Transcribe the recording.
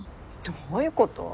どういうこと？